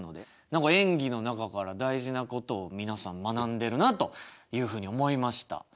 何か演技の中から大事なことを皆さん学んでるなというふうに思いました。